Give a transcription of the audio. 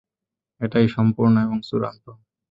এটাই সম্পুর্ন এবং চূড়ান্ত।